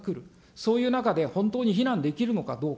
そういう中で、本当に避難できるのかどうか。